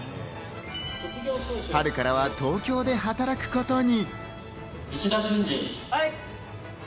春からは東京で働くことに。